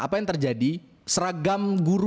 apa yang terjadi seragam guru